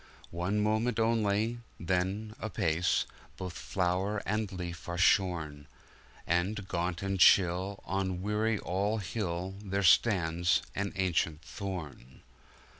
One moment only — then, apace, Both flower and leaf are shorn; And, gaunt and chill, on Weary All Hill, There stands an ancient thorn!